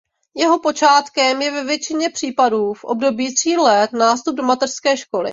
Jeho počátkem je ve většině případů v období tří let nástup do mateřské školy.